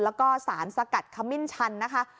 แล้วก็สารสกัดขมิ้นชันนะคะ